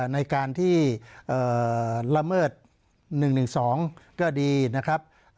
ในการที่ละเมิด๑๑๒ก็ดีนะครับ